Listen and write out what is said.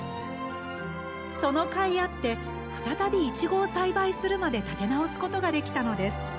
そのかいあって再びいちごを栽培するまで立て直すことができたのです。